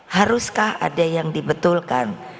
haruskah ada yang dibetulkan